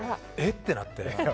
ってなって。